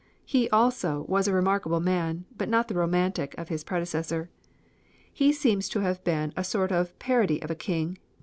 He, also, was a remarkable man, but not the romantic of his predecessor. He seems to have been a sort of a parody of a king.